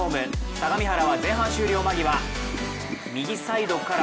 相模原は前半終了間際、右サイドから